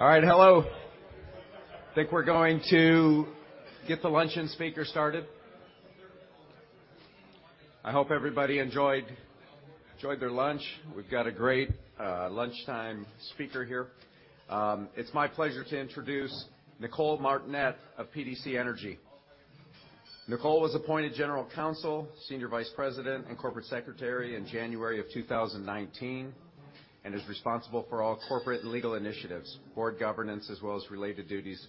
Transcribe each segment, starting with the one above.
All right. Hello. I think we're going to get the luncheon speaker started. I hope everybody enjoyed their lunch. We've got a great lunchtime speaker here. It's my pleasure to introduce Nicole Martinet of PDC Energy. Nicole was appointed General Counsel, Senior Vice President, and Corporate Secretary in January of 2019, is responsible for all corporate legal initiatives, board governance, as well as related duties.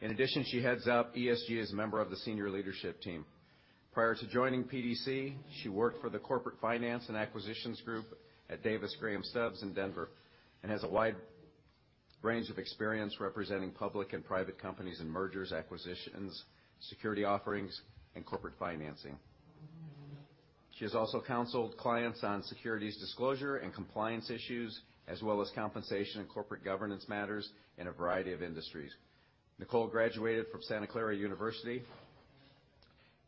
In addition, she heads up ESG as a member of the senior leadership team. Prior to joining PDC, she worked for the corporate finance and acquisitions group at Davis Graham & Stubbs LLP in Denver, has a wide range of experience representing public and private companies in mergers, acquisitions, security offerings, and corporate financing. She has also counseled clients on securities disclosure and compliance issues, as well as compensation and corporate governance matters in a variety of industries. Nicole graduated from Santa Clara University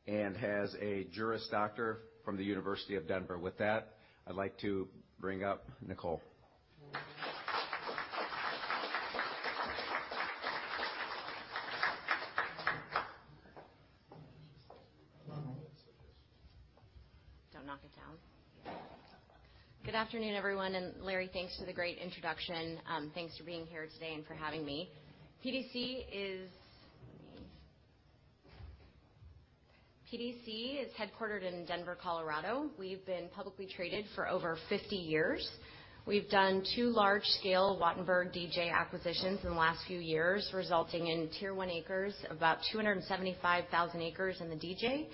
and has a Juris Doctor from the University of Denver. With that, I'd like to bring up Nicole. Don't knock it down. Good afternoon, everyone. Larry, thanks for the great introduction. Thanks for being here today and for having me. PDC is headquartered in Denver, Colorado. We've been publicly traded for over 50 years. We've done two large-scale Wattenberg-DJ acquisitions in the last few years, resulting in tier one acres, about 275,000 acres in the DJ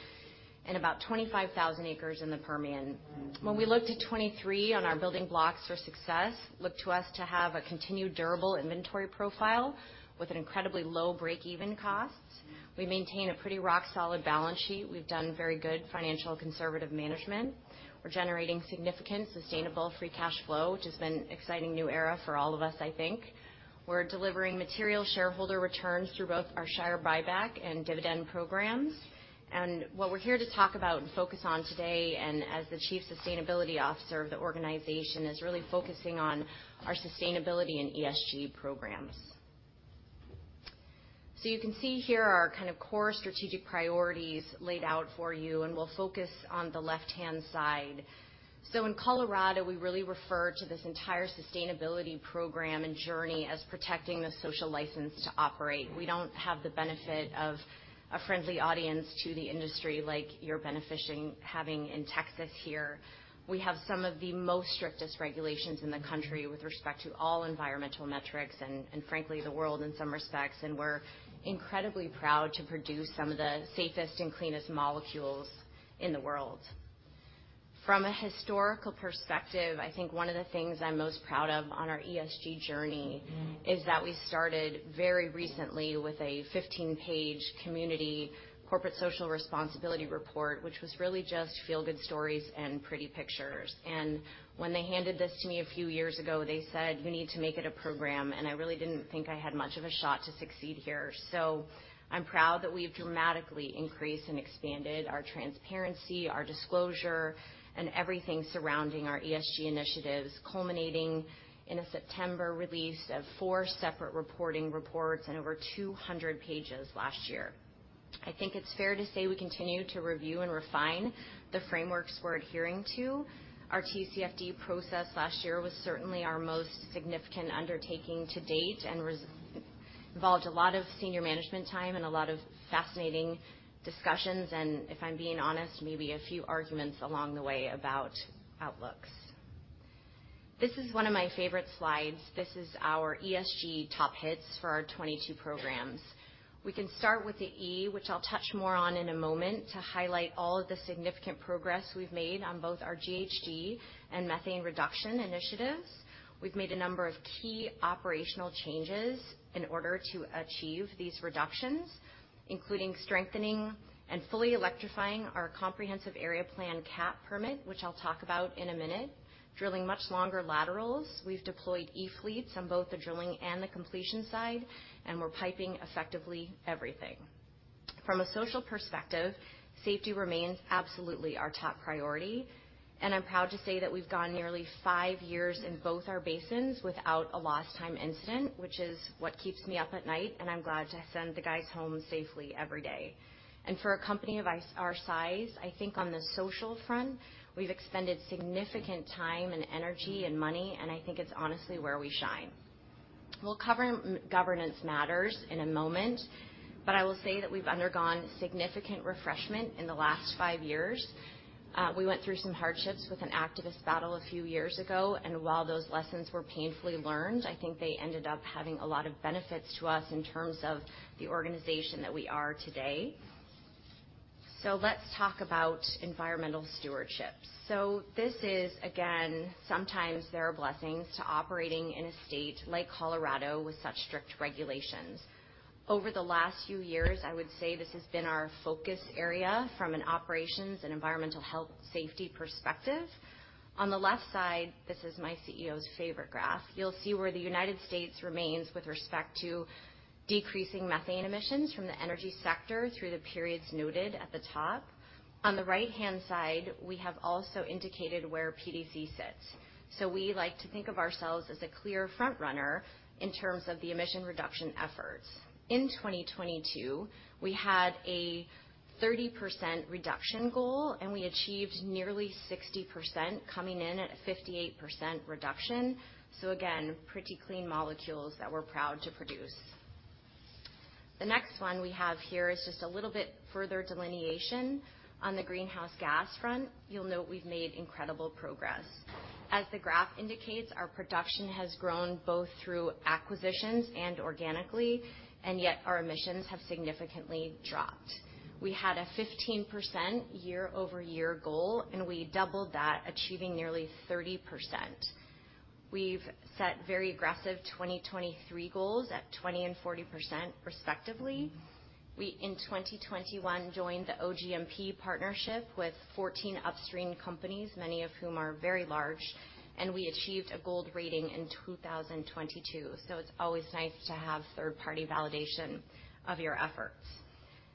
and about 25,000 acres in the Permian. When we look to 2023 on our building blocks for success, look to us to have a continued durable inventory profile with an incredibly low break-even cost. We maintain a pretty rock solid balance sheet. We've done very good financial conservative management. We're generating significant sustainable free cash flow, which has been exciting new era for all of us, I think. We're delivering material shareholder returns through both our share buyback and dividend programs. What we're here to talk about and focus on today, and as the chief sustainability officer of the organization, is really focusing on our sustainability and ESG programs. You can see here our kind of core strategic priorities laid out for you, and we'll focus on the left-hand side. In Colorado, we really refer to this entire sustainability program and journey as protecting the social license to operate. We don't have the benefit of a friendly audience to the industry like you're beneficiating having in Texas here. We have some of the most strictest regulations in the country with respect to all environmental metrics and frankly, the world in some respects, and we're incredibly proud to produce some of the safest and cleanest molecules in the world. From a historical perspective, I think one of the things I'm most proud of on our ESG journey is that we started very recently with a 15-page community corporate social responsibility report, which was really just feel-good stories and pretty pictures. When they handed this to me a few years ago, they said, "You need to make it a program." I really didn't think I had much of a shot to succeed here. I'm proud that we've dramatically increased and expanded our transparency, our disclosure, and everything surrounding our ESG initiatives, culminating in a September release of four separate reporting reports and over 200 pages last year. I think it's fair to say we continue to review and refine the frameworks we're adhering to. Our TCFD process last year was certainly our most significant undertaking to date involved a lot of senior management time and a lot of fascinating discussions, if I'm being honest, maybe a few arguments along the way about outlooks. This is one of my favorite slides. This is our ESG top hits for our 22 programs. We can start with the E, which I'll touch more on in a moment, to highlight all of the significant progress we've made on both our GHG and methane reduction initiatives. We've made a number of key operational changes in order to achieve these reductions, including strengthening and fully electrifying our comprehensive area plan, CAP permit, which I'll talk about in a minute. Drilling much longer laterals. We've deployed E-fleets on both the drilling and the completion side, we're piping effectively everything. From a social perspective, safety remains absolutely our top priority, and I'm proud to say that we've gone nearly five years in both our basins without a lost time incident, which is what keeps me up at night, and I'm glad to send the guys home safely every day. For a company of our size, I think on the social front, we've expended significant time and energy and money, and I think it's honestly where we shine. We'll cover governance matters in a moment, but I will say that we've undergone significant refreshment in the last five years. We went through some hardships with an activist battle a few years ago, and while those lessons were painfully learned, I think they ended up having a lot of benefits to us in terms of the organization that we are today. Let's talk about environmental stewardship. This is again, sometimes there are blessings to operating in a state like Colorado with such strict regulations. Over the last few years, I would say this has been our focus area from an operations and environmental health safety perspective. On the left side, this is my CEO's favorite graph. You'll see where the U.S remains with respect to decreasing methane emissions from the energy sector through the periods noted at the top. On the right-hand side, we have also indicated where PDC sits. We like to think of ourselves as a clear front runner in terms of the emission reduction efforts. In 2022, we had a 30% reduction goal, and we achieved nearly 60% coming in at a 58% reduction. Again, pretty clean molecules that we're proud to produce. The next one we have here is just a little bit further delineation on the greenhouse gas front. You'll note we've made incredible progress. As the graph indicates, our production has grown both through acquisitions and organically, and yet our emissions have significantly dropped. We had a 15% year-over-year goal, and we doubled that achieving nearly 30%. We've set very aggressive 2023 goals at 20% and 40% respectively. We, in 2021, joined the OGMP partnership with 14 upstream companies, many of whom are very large, and we achieved a gold rating in 2022. It's always nice to have third-party validation of your efforts.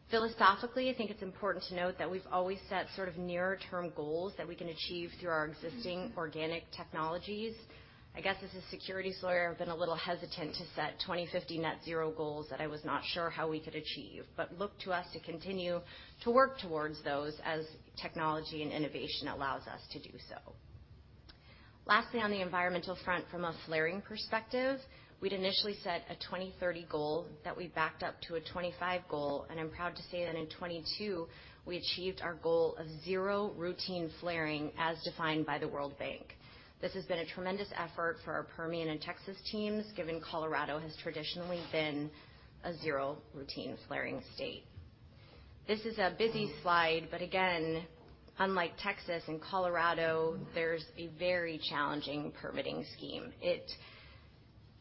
Philosophically, I think it's important to note that we've always set sort of nearer term goals that we can achieve through our existing organic technologies. I guess as a securities lawyer, I've been a little hesitant to set 2050 net zero goals that I was not sure how we could achieve. Look to us to continue to work towards those as technology and innovation allows us to do so. Lastly, on the environmental front from a flaring perspective, we'd initially set a 2030 goal that we backed up to a 25 goal. I'm proud to say that in 2022, we achieved our goal of zero routine flaring as defined by the World Bank. This has been a tremendous effort for our Permian and Texas teams, given Colorado has traditionally been a zero routine flaring state. This is a busy slide. Again, unlike Texas and Colorado, there's a very challenging permitting scheme.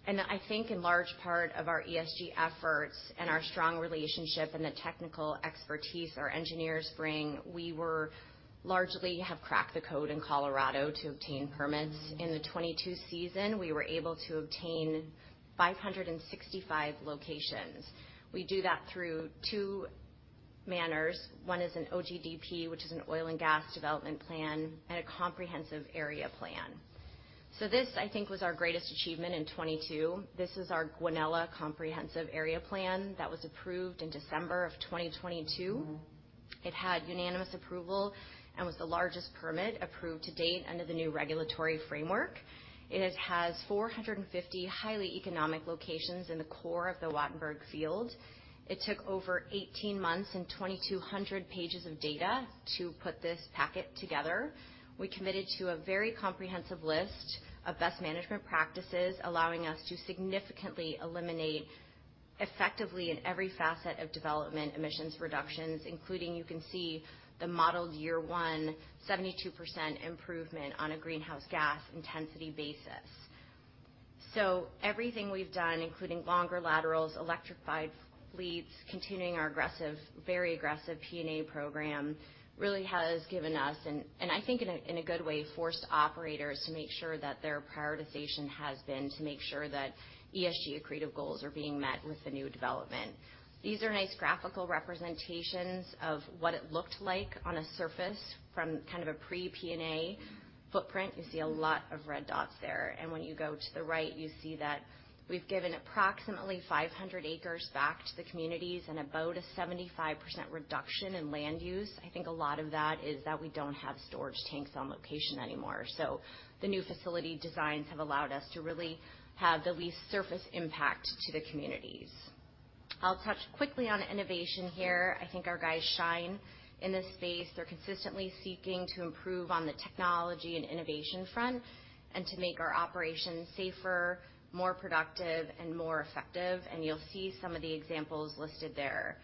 I think in large part of our ESG efforts and our strong relationship and the technical expertise our engineers bring, we largely have cracked the code in Colorado to obtain permits. In the 22 season, we were able to obtain 565 locations. We do that through two manners. One is an OGDP, which is an oil and gas development plan, and a comprehensive area plan. This, I think, was our greatest achievement in 2022. This is our Guanella Comprehensive Area Plan that was approved in December of 2022. It had unanimous approval and was the largest permit approved to date under the new regulatory framework. It has 450 highly economic locations in the core of the Wattenberg field. It took over 18 months and 2,200 pages of data to put this packet together. We committed to a very comprehensive list of best management practices, allowing us to significantly eliminate effectively in every facet of development emissions reductions, including, you can see the modeled year 1, 72% improvement on a greenhouse gas intensity basis. Everything we've done, including longer laterals, electrified fleets, continuing our very aggressive P&A program, really has given us, and I think in a, in a good way, forced operators to make sure that their prioritization has been to make sure that ESG accretive goals are being met with the new development. These are nice graphical representations of what it looked like on a surface from kind of a pre-P&A footprint. You see a lot of red dots there. When you go to the right, you see that we've given approximately 500 acres back to the communities and about a 75% reduction in land use. I think a lot of that is that we don't have storage tanks on location anymore. The new facility designs have allowed us to really have the least surface impact to the communities. I'll touch quickly on innovation here. I think our guys shine in this space. They're consistently seeking to improve on the technology and innovation front, and to make our operations safer, more productive, and more effective. You'll see some of the examples listed there.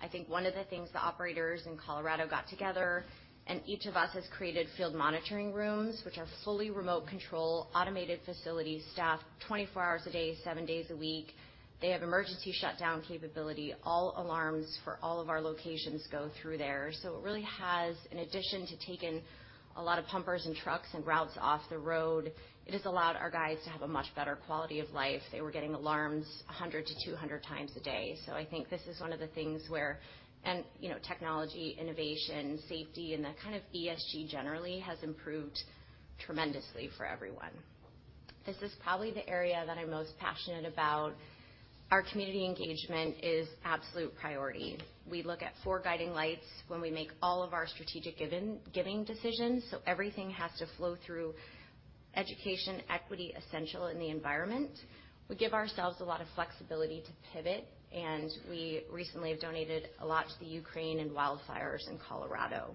I think one of the things the operators in Colorado got together, and each of us has created field monitoring rooms, which are fully remote control, automated facilities, staffed 24 hours a day, 7 days a week. They have emergency shutdown capability. All alarms for all of our locations go through there. It really has, in addition to taking a lot of pumpers and trucks and routes off the road, it has allowed our guys to have a much better quality of life. They were getting alarms 100 to 200 times a day. I think this is one of the things where... you know, technology, innovation, safety, and that kind of ESG generally has improved tremendously for everyone. This is probably the area that I'm most passionate about. Our community engagement is absolute priority. We look at four guiding lights when we make all of our strategic giving decisions, so everything has to flow through education, equity, essential, and the environment. We give ourselves a lot of flexibility to pivot, we recently have donated a lot to the Ukraine and wildfires in Colorado.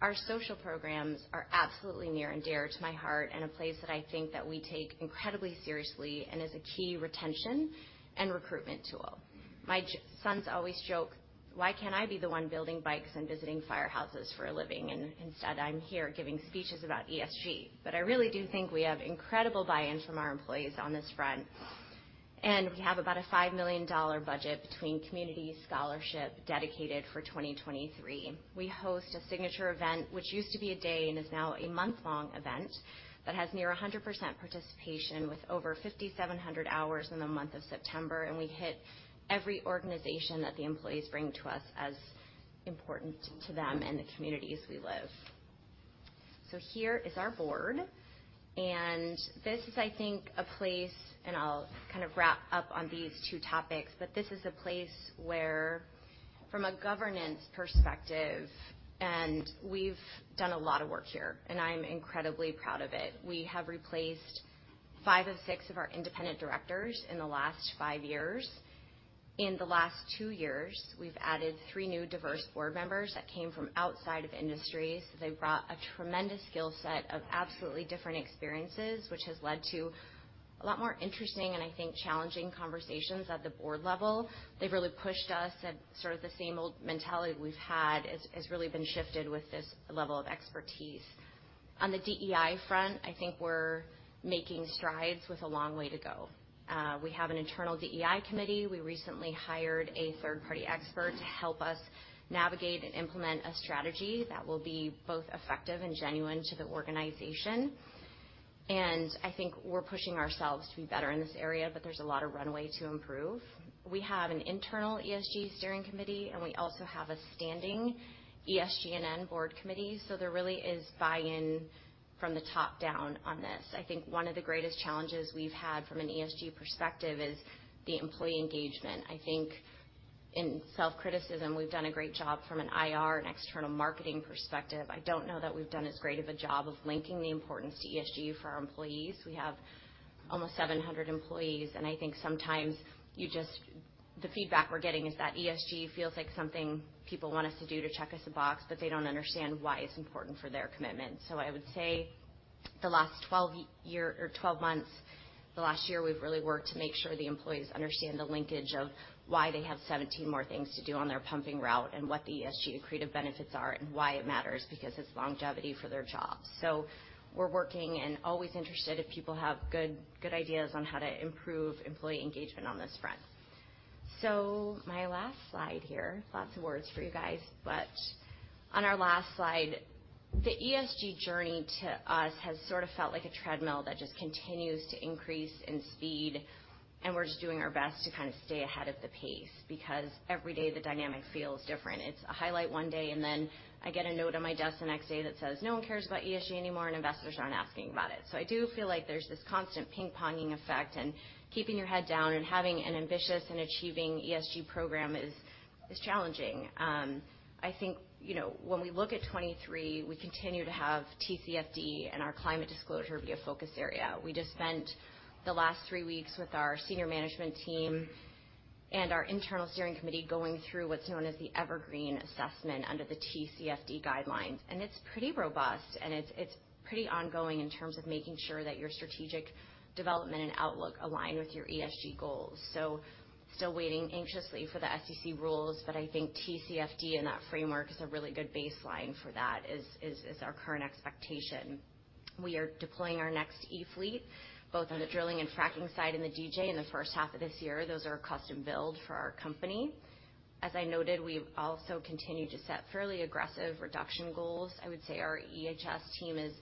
Our social programs are absolutely near and dear to my heart and a place that I think that we take incredibly seriously and is a key retention and recruitment tool. My sons always joke, "Why can't I be the one building bikes and visiting firehouses for a living? Instead, I'm here giving speeches about ESG." I really do think we have incredible buy-in from our employees on this front. We have about a $5 million budget between community scholarship dedicated for 2023. We host a signature event, which used to be a day and is now a month-long event that has near 100% participation with over 5,700 hours in the month of September. We hit every organization that the employees bring to us as important to them and the communities we live. Here is our board, and this is, I think, a place, and I'll kind of wrap up on these two topics, but this is a place where from a governance perspective, and we've done a lot of work here, and I'm incredibly proud of it. We have replaced 5 of 6 of our independent directors in the last five years. In the last two years, we've added three new diverse board members that came from outside of industries. They brought a tremendous skill set of absolutely different experiences, which has led to a lot more interesting and I think challenging conversations at the board level. They've really pushed us at sort of the same old mentality we've had. It's really been shifted with this level of expertise. On the DEI front, I think we're making strides with a long way to go. We have an internal DEI committee. We recently hired a third-party expert to help us navigate and implement a strategy that will be both effective and genuine to the organization. I think we're pushing ourselves to be better in this area, but there's a lot of runway to improve. We have an internal ESG steering committee, and we also have a standing ESGNN board committee. There really is buy-in from the top down on this. I think one of the greatest challenges we've had from an ESG perspective is the employee engagement. I think in self-criticism, we've done a great job from an IR and external marketing perspective. I don't know that we've done as great of a job of linking the importance to ESG for our employees. We have almost 700 employees, and I think sometimes you just the feedback we're getting is that ESG feels like something people want us to do to check us a box, but they don't understand why it's important for their commitment. I would say the last 12 months, the last year, we've really worked to make sure the employees understand the linkage of why they have 17 more things to do on their pumping route and what the ESG accretive benefits are and why it matters, because it's longevity for their jobs. We're working and always interested if people have good ideas on how to improve employee engagement on this front. My last slide here, lots of words for you guys, but on our last slide, the ESG journey to us has sort of felt like a treadmill that just continues to increase in speed, and we're just doing our best to kind of stay ahead of the pace because every day the dynamic feels different. It's a highlight one day, and then I get a note on my desk the next day that says, "No one cares about ESG anymore and investors aren't asking about it." I do feel like there's this constant ping-ponging effect and keeping your head down and having an ambitious and achieving ESG program is challenging. I think, you know, when we look at 2023, we continue to have TCFD and our climate disclosure be a focus area. We just spent the last three weeks with our senior management team and our internal steering committee going through what's known as the Evergreen Assessment under the TCFD guidelines. It's pretty robust, and it's pretty ongoing in terms of making sure that your strategic development and outlook align with your ESG goals. Still waiting anxiously for the SEC rules, but I think TCFD and that framework is a really good baseline for that, is our current expectation. We are deploying our next e-fleet, both on the drilling and fracking side and the DJ in the first half of this year. Those are custom-build for our company. As I noted, we also continue to set fairly aggressive reduction goals. I would say our EHS team is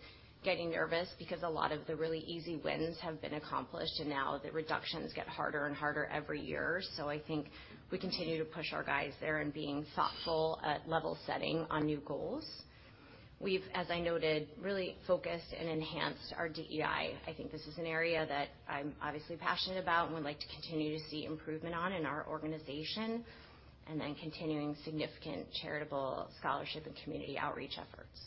getting nervous because a lot of the really easy wins have been accomplished, and now the reductions get harder and harder every year. I think we continue to push our guys there in being thoughtful at level setting on new goals. We've, as I noted, really focused and enhanced our DEI. I think this is an area that I'm obviously passionate about and would like to continue to see improvement on in our organization, and then continuing significant charitable scholarship and community outreach efforts.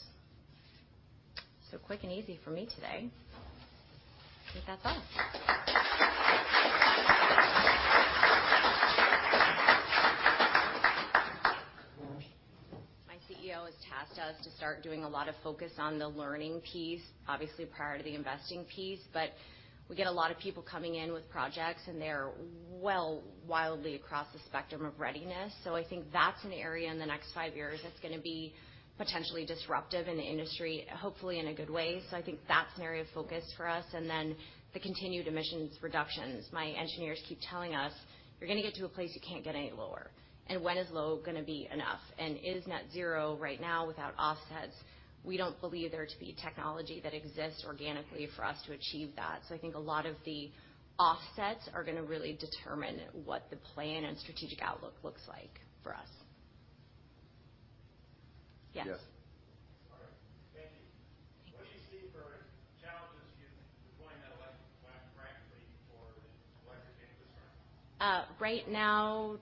Quick and easy for me today. I think that's all. My CEO has tasked us to start doing a lot of focus on the learning piece, obviously prior to the investing piece, but we get a lot of people coming in with projects, and they're well wildly across the spectrum of readiness. I think that's an area in the next five years that's gonna be potentially disruptive in the industry, hopefully in a good way. I think that's an area of focus for us. Then the continued emissions reductions. My engineers keep telling us, "You're gonna get to a place you can't get any lower. And when is low gonna be enough? And is net zero right now without offsets?" We don't believe there to be technology that exists organically for us to achieve that. I think a lot of the offsets are gonna really determine what the plan and strategic outlook looks like for us. Yes. Yes. All right. Thank you. What do you see for right now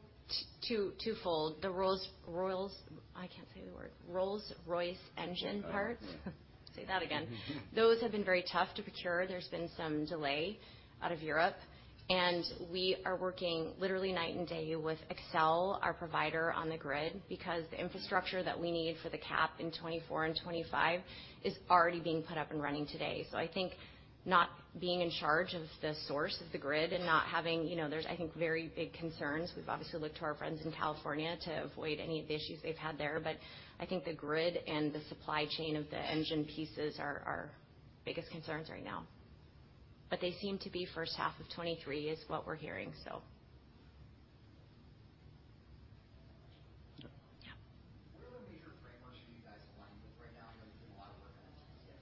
twofold. The Rolls-Royce... I can't say the word. Rolls-Royce engine parts. Oh, yeah. Say that again. Those have been very tough to procure. There's been some delay out of Europe, and we are working literally night and day with Xcel, our provider on the grid, because the infrastructure that we need for the cap in 2024 and 2025 is already being put up and running today. I think not being in charge of the source of the grid and not having, you know. There's, I think, very big concerns. We've obviously looked to our friends in California to avoid any of the issues they've had there. I think the grid and the supply chain of the engine pieces are our biggest concerns right now. They seem to be first half of 2023 is what we're hearing, so. Yeah. What are the major frameworks you guys align with right now? I know you do a lot of work with. Yeah.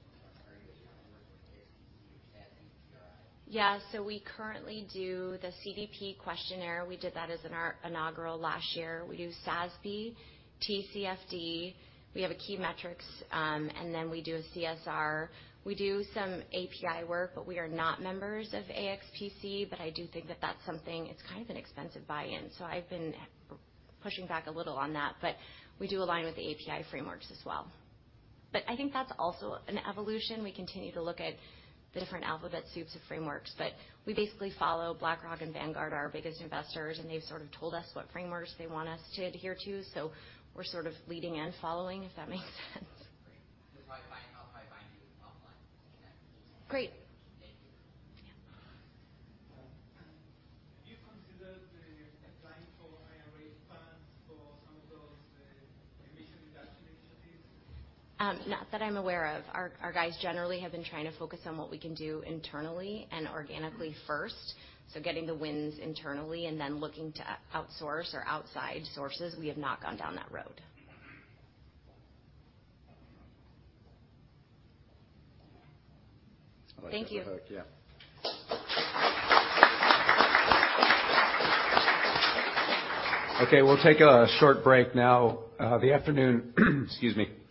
We currently do the CDP questionnaire. We did that as an inaugural last year. We do SASB, TCFD. We have a key metrics, and then we do a CSR. We do some API work. We are not members of AXPC. I do think that that's something. It's kind of an expensive buy-in, so I've been pushing back a little on that. We do align with the API frameworks as well. I think that's also an evolution. We continue to look at the different alphabet soups of frameworks, we basically follow BlackRock and Vanguard, our biggest investors, and they've sort of told us what frameworks they want us to adhere to, so we're sort of leading and following, if that makes sense. Great. Just by buying you offline. Great. Thank you. Yeah. Have you considered applying for IRA funds for some of those emission reduction initiatives? Not that I'm aware of. Our guys generally have been trying to focus on what we can do internally and organically first. Getting the wins internally and then looking to outsource or outside sources. We have not gone down that road. How about that for hook? Yeah. Thank you. Okay, we'll take a short break now. The afternoon... Excuse me.